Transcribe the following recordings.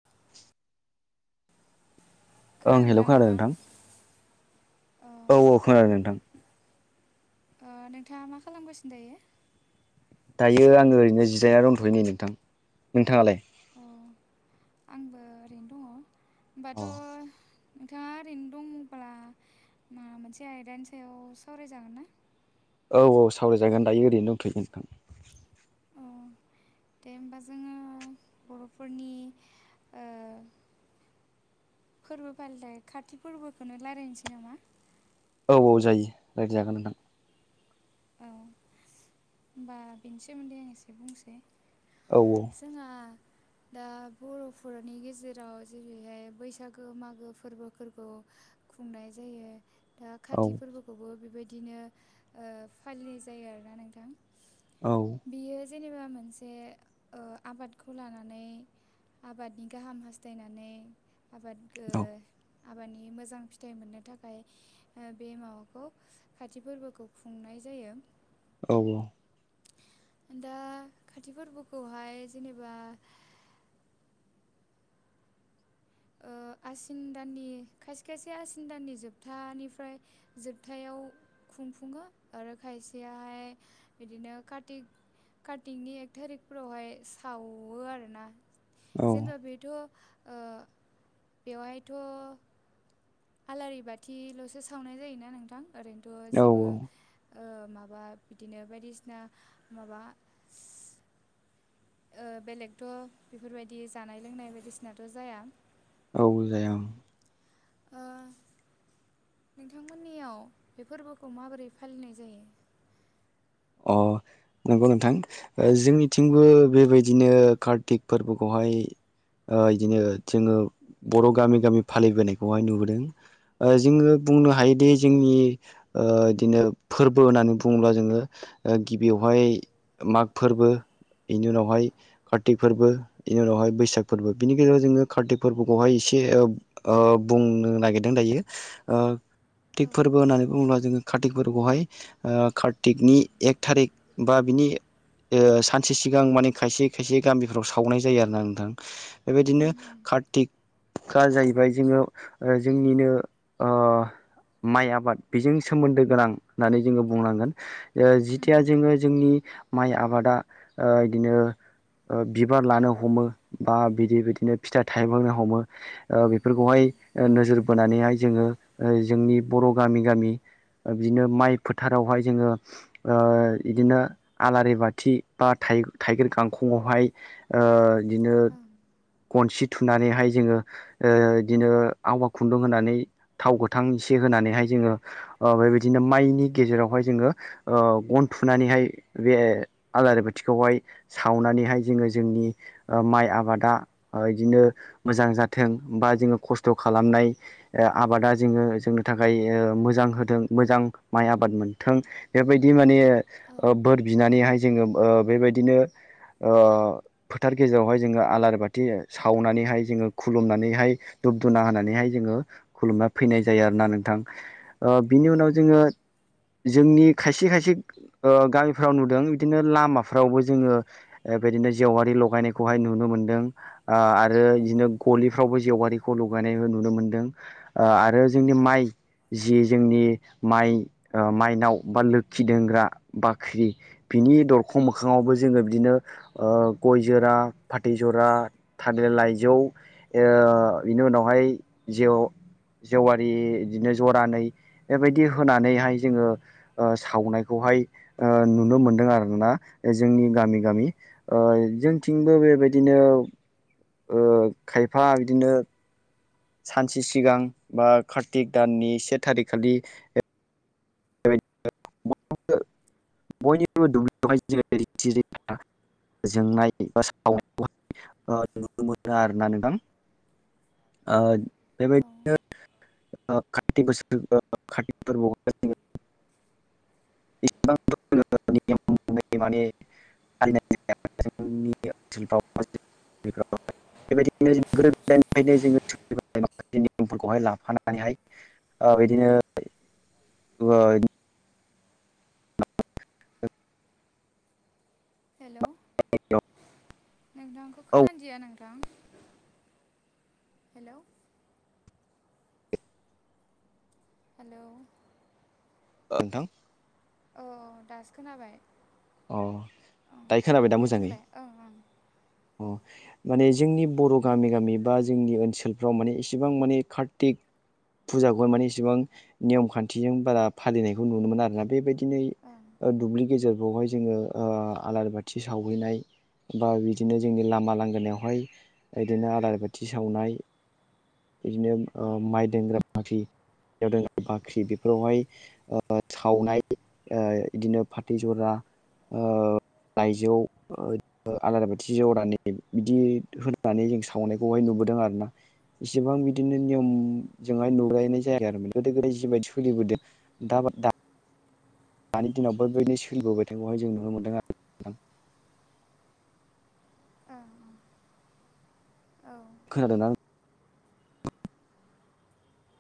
[inaudible] ओं हेलौ खोनादों नोंथां औ औ खोनादों नोंथां ओ नोंथाङा मा खालामगासिनो दायो दायो आङो ओरैनो जिरायना दंथ'यो नै नोंथां नोंथाङालाय आंबो ओरैनो दङ होमबाथ औ नोंथाङा ओरैनो दङबा मा मोनसे आयदानि सायाव सावरायजागोन ना औ औ सावरायजागोन दायो ओरैनो दंथयो नोंथां औ दे होमबा जोङो बरफोरनि ओ फोरबो फालिथाइ खाथि फोरबोखौनो रायलायनोसै नामा औ औ जायो रायदि जागोन नोंथां औ होमबा बेनि सोमोन्दै आं एसे बुंसै औ औ जोंहा दा बरफोरनि गेजेराव जेरैहाय बैसागो मागो फोरबोफोरखौ खुंनाय जायो दा औ काति फोरबोखौबो बेबायदिनो फालिनाय ओ जायो आरोना नोंथां औ बियो जेनेबा मोनसे ओ आबादखौ लानानै आबादनि गाहाम हास्थायनानै आबाद गो औ आबादनि मोजां फिथाइ मोननो थाखाय ओ बे माबाखौ खाथि फोरबोखौ खुंनाय जायो। औ औ। दा खाथि फोरबोखौहाय जेनोबा ओ आसिन दाननि खायसे खायसे आसिन दाननि जोबथानिफ्राय जोबथायाव खुंफुङो आरो खायसेयाहाय बिदिनो कार्तिक कार्तिकनि एक थारिकफोरावहाय साववो आरोना। जेनोबा बेथ' ओ बेवहायथ' आलारि बाथिल'सो सावनाय जायोना नोंथां? ओरैनोथ' औ जेबो ओ माबा बिदिनो बायदिसिना माबा ओ बेलेगथ' बेफोरबायदि जानाय लोंनाय बायदिसिनाथ' जाया? औ जाया ओं। ओ नोंथांमोननियाव बे फोरबोखौ माबोरै फालिनाय जायो? अ। नंगौ नोंथां ओ जोंनिथिंबो बेबायदिनो कार्तिक फोरबोखौहाय ओ बिदिनो जोङो बर' गामि गामि फालिबोनायखौहाय नुबोदों। ओ जोङो बुंनो हायोदि जोंनि ओ बिदिनो फोरबो होननानै बुङोब्ला जोङो ओ गिबियावहाय माग फोरबो बेनि उनावहाय कार्तिक फोरबो बेनि उनावहाय बैसाग फोरबो बिनि गेजेराव जोङो कार्तिक फोरबोखौहाय एसे ओ ओ बुंनो नागिरदों दायो ओ औ तिक फोरबो होननानै बुङोब्ला जोङो कार्तक फोरबोखौहाय कार्तिकनि एक थारिक बा बिनि ओ सानसे सिगां माने खायसे खायसे गामिफोराव सावनाय जायो आरोना नोंथां। दा बेबायदिनो कार्तिक गा जाहैबाय जोङो ओ जोंनिनो ओ माइ आबाद बेजों सोमोन्दो गोनां होननानै जोङो बुंनांगोन। ओ जिथिया जोङो जोंनि माइ आबादा ओ बिदिनो ओ बिबार लानो हमो बा बिदि बिदिनो फिथाइ थाइबांनो हमो ओ बे बेफोरखौहाय ओ नोजोर बोनानैहाय जोङो ओ जोंनि बर' गामि गामि ओ बिदिनो माइ फोथारावहाय जोङो ओ बिदिनो आलारि बाथि बा थाइ थाइगिर गांखंआवहाय ओ बिदिनो ओं गनसि थुनानैहाय जोङो ओ बिदिनो आवा खुन्दुं होनानै थाव गोथां इसे होनानैहाय जोङो ओ बेबायदिनो माइनि गेजेरावहाय जोङो ओ गन थुनानैहाय बे आलारि बाथिखौहाय सावनानैहाय जोङो जोंनि ओ माइ आबादा ओ बिदिनो मोजां जाथों बा जोङो खस्थ' खालामनाय ओ आबादा जोङो जोंनो थाखाय ओ मोजां होदों मोजां माइ आबाद मोनथों बेबायदि माने औ ओ बोर बिनानैहाय जोङो ओ बेबायदिनो ओ फोथार गेजेरावहाय जोङो आलारि बाथि सावनानैहाय जोङो खुलुमनानैहाय दुब दुना होनानैहाय जोङो खुलुमना फैनाय जायो आरो ना नोंथां। ओ बिनि उनाव जोङो जोंनि खायसे खायसे ओ गामिफ्राव नुदों बिदिनो लामाफ्रावबो जोङो ओ बिदिनो जेवारि लगायनायखौहाय नुनो मोनदों। ओ आरो बिदिनो गलिफ्रावबो जेवगारिखौ लगायनायबो नुनो मोनदों। ओ आरो जोंनि माइ जि जोंनि माइ ओ माइनाव बा लोखि दोंग्रा बाख्रि बिनि दरखं मोखाङावबो जोङो बिदिनो ओ गय जरा फाथै जरा थादिर लाइजौ ओ बिनि उनावहाय जेउ जेवारि इदिनो ज'रानै बेबायदि होनानैहाय जोङो ओ सावनायखौहाय ओ नुनो मोनदों आरोना जोंनि गामि गामि ओइ जोंथिंबो बेबायदिनो ओ खायफा बिदिनो सानसे सिगां बा कार्तिक दाननि से थारिख खालि [unintelligible] जोंनाय बा [unintelligible] ओ नुनो मोनो आरोना नोंथां। ओ औ बेबायदिनो [unintelligible] [unintelligible] [unintelligible] [unintelligible] अ इदिनो [unintelligible] हेलौ [unintelligible] नोंथांखौ औ खोनदिया नोंथां हेलौ हेलौ ओ नोंथां। औ दासो खोनाबाय अ ओं दायो दे बुंलाय ओं ओं। औ माने जोंनि बर' गामि गामि बा जोंनि ओनसोलफ्राव माने इसेबां माने खार्तिक फुजाखौहाय माने इसिबां नियम खान्थिजों बारा फालिनायखौ नुनो मोना आरोना बेबायदिनो ओ दुब्लि गेजेर बवहाय जोङो ओ आलारि बाथि सावहैनाय बा बिदिनो जोंनि लामा लांगोनायावहाय ऐदिनो आलारि बाथि सावनाय इदिनो ओ माइ दोनग्रा बाख्रि [inaudible] दोनग्रा बाख्रि बेफोरावहाय ओ सावनाय ओ इदिनो फाथै ज'रा ओ लाइजौ [unintelligible] आलारि बाथि ज'रानि बिदि होनानै जों सावनायखौहाय नुबोदों आरोना। एसिबां बिदिनो नियमजोंहाय नुलायनाय जायाखै आरोमा गोदो गोदाय जिबायदि सोलिबोदों दा दा - दानि दिनावबो बेबायदिनो सोलिबोबाय [inaudible] ओं औ खोनादो ना?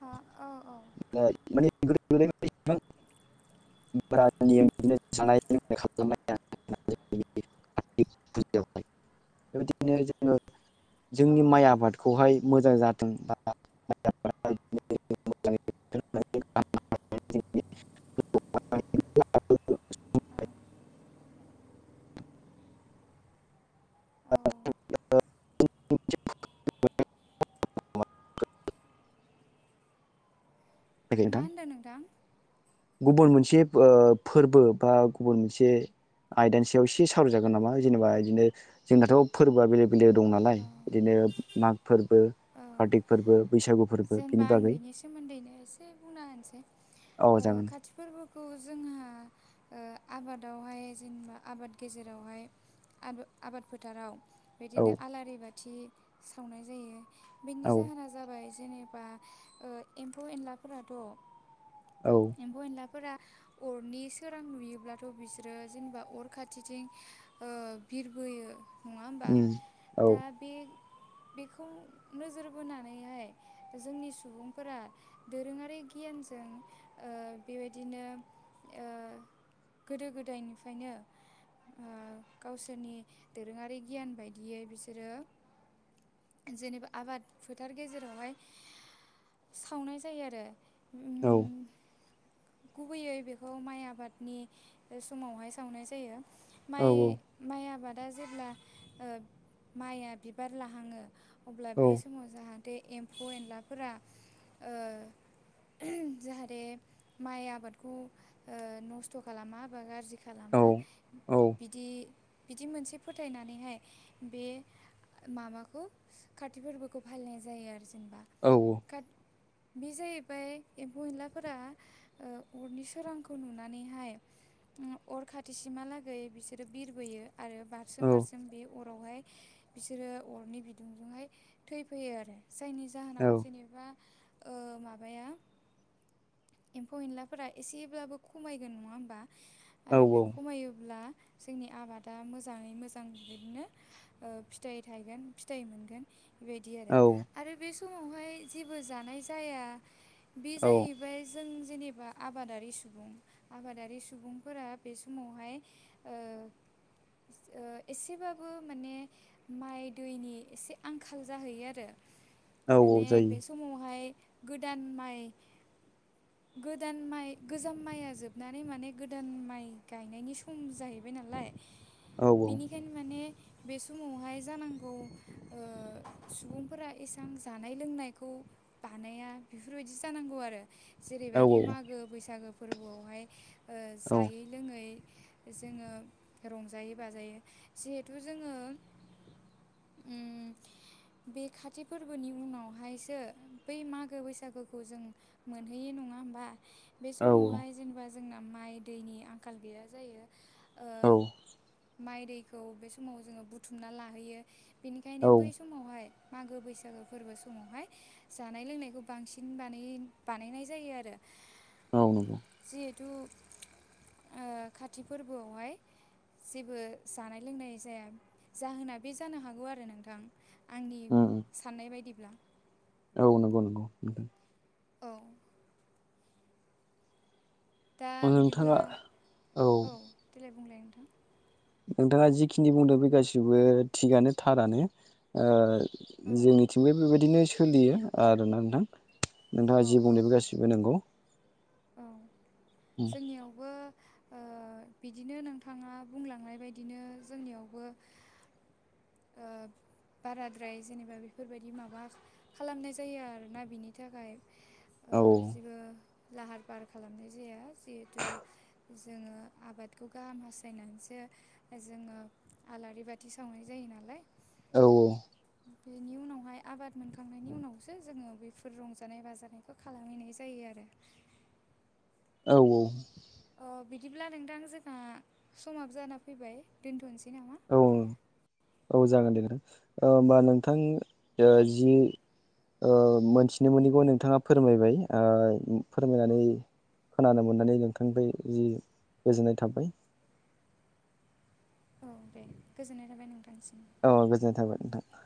हा औ औ। [unintelligible] [unintelligible] [unintelligible] औ जोंनि माइ आबादखौहाय मोजां जाथों बा मोजाङै औ [unintelligible] मा होनदों नोंथां [unintelligible] गुबुन मोनसे ओ फोर्बो बा गुबुन से आयदानि सायाव एसे सावराय जागोन नामा जेनेबा इदिनो जोंनाथ' फोरबोआ बेलेग बेलेग दं नालाय इदिनो माग फोर्बो कार्तिक फोर्बो बैसागु जेनबा आं बागै बिनि सोमोन्दैनो एसे बुंना होनोसै। औ जागोन। बे फोर्बोखौ जोंहा ओ आबादावहाय जेनेबा आबाद गेजेरावहाय आबो आबोद फोथाराव बिदिनो औ आलारि बाथि सावनाय जायो बेनि औ जाहोना जाबाय जेनेबा बा ओएम्फौ एनलाफोराथ' औ एमफौ एनलाफोरा अरनि सोरां नुयोब्लाथ' बिसोरो जेनेबा अर खाथिथिं ओ बिरबोयो नङा होमबा उम औ दा बे बेखौ नोजोर बोनानैहाय- जोंनि सुबुंफोरा दोरोङारि गियानजों बेबायदिनो- ओ गोदो गोदायनिफ्रायनो- गावसोरनि दोरोङारि गियान बायदियै बिसोरो- जेनेबा आबाद फोथार गेजेरावहाय- सावनाय जायो आरो- औ। [inaudible] गुबैयै बेखौ माइ आबादनि समावहाय सावनाय जायो। औ माइ माइ आबादा जेब्ला माइआ बिबार लाहाङो। अब्ला बे समाव जाहाथे एम्फौ एनलाफोरा- जाहाथे माइ आबादखौ नस्थ' खालामा बा गाज्रि- औ खालामा औ बिदि बिदि मोनसे फोथायनानैहाय बे- माबाखौ खाति फोरबोखौ फालिनाय जायो आरो जेनेबा। औ। बे जाहैबाय एम्फौ एनलाफोरा- अरनि सोरांखौ नुनानैहाय- अर खाथिसिमहालागै बिसोरो बिरबोयो आरो बाथ- बारसोम औ बारसोम बे अरावहाय बिसोरो अरनि बिदुंजोंहाय थैफैयो आरो। जायनि औ जाहोनाव जेनेबा ओ माबाया एम्फौ एनलाफोरा एसेब्लाबो खमायगोन नङा होमबा आरो बे खमायोब्ला जोंनि आबादा मोजाङै मोजां बिदिनो फिथाइ थाइगोन फिथाइ मोनगोन। बेबायदि आरो औ आरो बे समावहाय जेबो जानाय जाया बे जाहैबाय- बेफ्राय जों जेनेबा आबादारि सुबुं आबादारि सुबुंफोरा बे समावहाय- एसेबाबो माने- माइ दैनि एसे आंखाल जाहैयो आरो। औ माने जायो बे समावहाय गोदान माइ- गोदान माइ गोजाम माइआ जोबनानै माने गोदान माइ गायनायनि सम जाहैबाय। नालाय। औ एकेन माने बे समावहाय जानांगौ सुबुंफोरा एसे- आं जानाय लोंनायखौ बानाया बेफोरबायदि जानांगौ आरो औ जेरैबायदि मागो बैसागो फोरबोआवहाय जायै लोङै जोङो रंजायो बाजायो। जिहेथु जोङो बे खाथि- फोरबोनि उनावहायसो बै मागो बैसागोखौ जों- मोनहैयो नङा होमबा? बे समावहाय जेनेबा जोंना माइ दैनि आंखाल गैया जायो। औ माइ दैखौ बे समाव जोङो बुथुमना लाहैयो बेनिखायनो औ बै समावहाय मागो बैसाग- सागो फोरबो समावहाय- जानाय लोंनायखौ बांसिनानाय बानायनाय जायो आरो। औ नंगौ। जिहेथु खाथि फोरबोआवहाय। जेबो जानाय लोंनाय जाया जाहोना बे जानो हागौ आरो नोंथां आंनि- उम उम साननाय बायदिब्ला। औ नंगौ नंगौ नोंथां। औ दा अ बिदिब्ला नोंथाङा औ देेलाय बुंलाय नोंथां। नोंथाङा जिखिनि बुंदों बे गासिबो थिगानो थारानो ओ औ जोंनिथिंबो बेबायदिनो सोलियो आरोना नोंथां नोंथाङा औ जि औ बुंदों गासि बो नंगौ। औ जोंनियावबो ओ बिदिनो नोंथाङा बुंलांनाय बायदिनो जोंनियावबो ओ बाराद्राय जेनेबा बेफोरबायदि माबा खालामनाय जायो आरोना बिनि थाखाय ओ औ जिबो लाहार-फाहार खालामनाय जाया जिहेथु जोङो आबादखौ गाहाम हासाथायनानैसो जोङो आलारि बाथि सावनाय जायो नालाय औ औ। बेनि उनावहाय आबाद मोनखांनायनि उनावसो जोङो बेफोर रंजानाय बाजानाय बो खालामहैनाय जायो आरो औ औ। अ बिदिब्ला नोंथां जोंहा समाबो जाना फैबाय दोनथ'नोसै नामा? औ औ जागोन दे ओ होनबा नोंथां ओ औ जि ओ मोनथिनो मोनिखौ नोंथाङा फोरमायबाय ओ फोरमायनानै खोनानो मोननानै नोंथांनिफ्राय जि गोजोननाय थाबाय। औ दे गोजोननाय थाबाय नोंथांसिम। औ गोजोननाय थाबाय नोंथां।